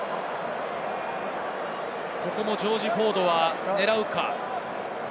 ここもジョージ・フォードは狙うか？